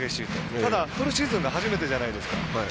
ただ、フルシーズンが初めてじゃないですか。